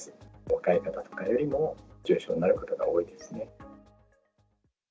若い方とかよりも重症になる方が多いですね。